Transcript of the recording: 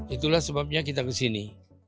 itulah sebabnya kita ke sini